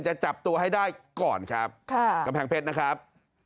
จะจับตัวให้ได้ก่อนครับค่ะกำแพงเพชรนะครับ